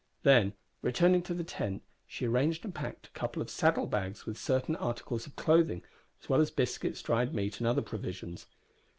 Then, returning to the tent, she arranged and packed a couple of saddle bags with certain articles of clothing, as well as biscuits, dried meat, and other provisions.